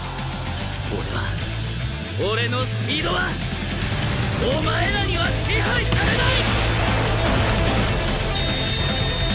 俺は俺のスピードはお前らには支配されない！